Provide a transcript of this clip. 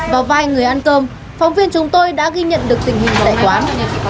vào vài người ăn cơm phóng viên chúng tôi đã ghi nhận được tình hình tại quán